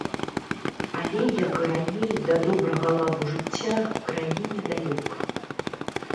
Але, як і раней, да добрага ладу жыцця краіне далёка.